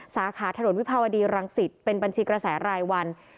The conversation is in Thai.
สาขาถนนวิภาวดีรังสิตเป็นบัญชีกระแสรายวัน